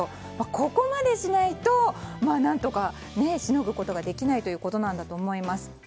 ここまでしないと何とかしのぐことができないということなんだと思います。